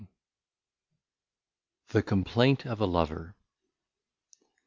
THE Complaint of a Lover.